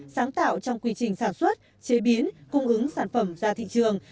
sáng tạo trong quy trình sản xuất chế biến cung ứng sản phẩm ra thị trường